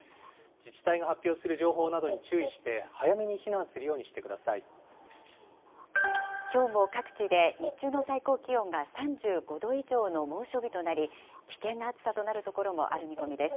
自治体が発表する情報などに注意して、早めに避難するようにしてきょうも各地で日中の最高気温が３５度以上の猛暑日となり、危険な暑さとなる所もある見込みです。